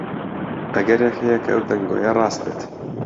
ئەگەرێک هەیە کە ئەو دەنگۆیە ڕاست بێت.